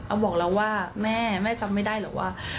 บอกเราว่าแม่แม่จำไม่ได้หรอกว่า